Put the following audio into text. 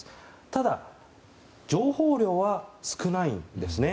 ただ、情報量は少ないんですね。